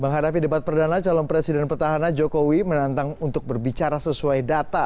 menghadapi debat perdana calon presiden petahana jokowi menantang untuk berbicara sesuai data